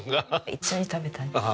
一緒に食べたね。